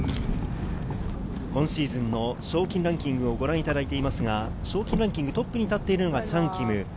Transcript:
今シーズンの賞金ランキングをご覧いただいていますが、賞金ランキングトップに立っているのがチャン・キム。